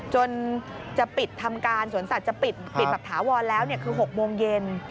จนจะปิดทำการสวนสัตว์จะปิดแบบถาวรแล้วคือ๖โมงเย็น